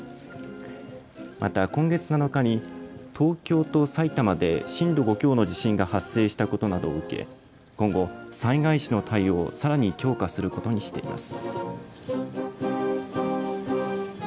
また今月７日に東京と埼玉で震度５強の地震が発生したことなどを受け今後、災害時の対応をさらに強化することにしています。